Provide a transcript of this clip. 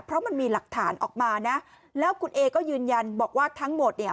เพราะมันมีหลักฐานออกมานะแล้วคุณเอก็ยืนยันบอกว่าทั้งหมดเนี่ย